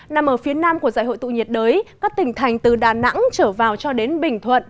nằm ở phía nam của giải hội tụ nhiệt đới các tỉnh thành từ đà nẵng trở vào cho đến bình thuận